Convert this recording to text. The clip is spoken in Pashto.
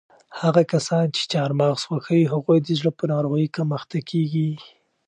هغه کسان چې چهارمغز خوښوي هغوی د زړه په ناروغیو کم اخته کیږي.